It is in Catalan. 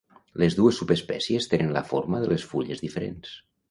Les dues subespècies tenen la forma de les fulles diferents.